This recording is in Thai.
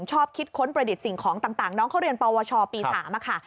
ชอบคิดค้นประดิษฐ์สิ่งของต่างน้องเขาเรียนปวชปี๓ค่ะ